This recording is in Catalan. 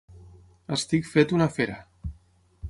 Estic fet una fera.